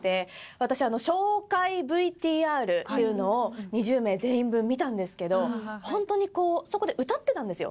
私紹介ＶＴＲっていうのを２０名全員分見たんですけどホントにこうそこで歌ってたんですよ。